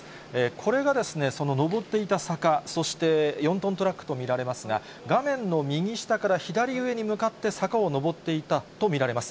これが上っていた坂、そして４トントラックと見られますが、画面の右下から左上に向かって上っていたと見られます。